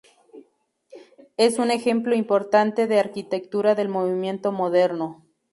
Es un ejemplo importante ""de arquitectura del Movimiento Moderno.